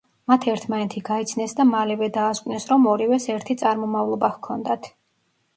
მათ ერთმანეთი გაიცნეს და მალევე დაასკვნეს, რომ ორივეს ერთი წარმომავლობა ჰქონდათ.